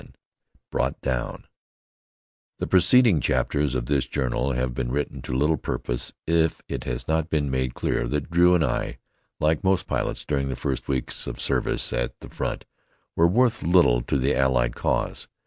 VII BROUGHT DOWN The preceding chapters of this journal have been written to little purpose if it has not been made clear that Drew and I, like most pilots during the first weeks of service at the front, were worth little to the Allied cause.